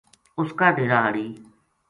ا س کا ڈیرا ہاڑی